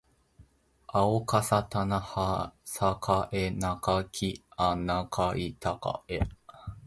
あおかさたなはさかえなかきあなかいたかあ